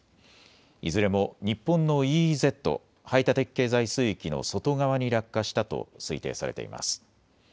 いずれも日本のＥＥＺ・排他的経済水域の外側に落下したと推定されています。